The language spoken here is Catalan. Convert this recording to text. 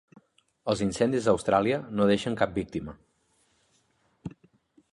Els incendis a Austràlia no deixen cap víctima